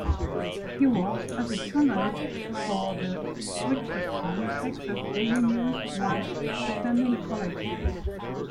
He worked as a journalist for the Richardson, Texas, Daily News while attending college.